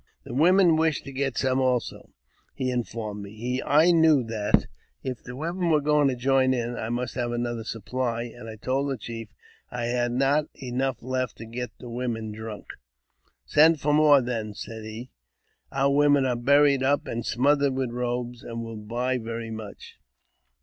The women wished to get some also, he informed me. I knew that, if the women were going to join in, I must have another supply, and I told the chief I had not enough left to get the women drunk. " Send for more, then," said he. " Our women are buried up and smothered with robes, and will buy very much."